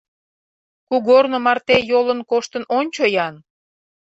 Кугорно марте йолын коштын ончо-ян.